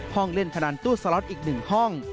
ห้องเล่นพนันตู้สล็อตอีกหนึ่งห้อง